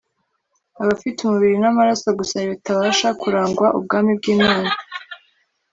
abafite umubiri n'amaraso gusa bitabasha kurangwa ubwami bw'imana